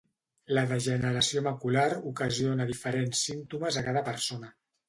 La degeneració macular ocasiona diferents símptomes a cada persona.